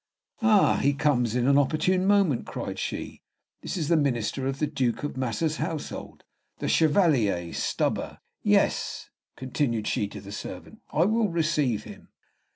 "Ah, he comes in an opportune moment," cried she. "This is the Minister of the Duke of Massa's household, the Chevalier Stubber. Yes," continued she to the servant, "I will receive him."